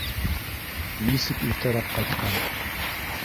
Нисек иртәрәк ҡайтҡан...